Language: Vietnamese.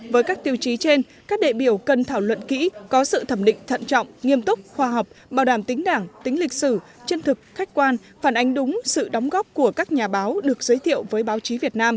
với các tiêu chí trên các đệ biểu cần thảo luận kỹ có sự thẩm định thận trọng nghiêm túc khoa học bảo đảm tính đảng tính lịch sử chân thực khách quan phản ánh đúng sự đóng góp của các nhà báo được giới thiệu với báo chí việt nam